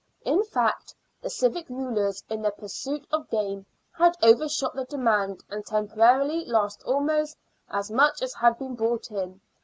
In fact, the civic rulers, in their pursuit of gain, had overshot the demand, and temporarily lost almost as much as had been brought in.